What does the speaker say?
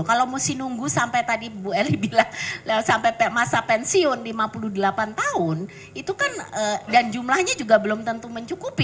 kalau mesti nunggu sampai tadi bu eli bilang sampai masa pensiun lima puluh delapan tahun itu kan dan jumlahnya juga belum tentu mencukupi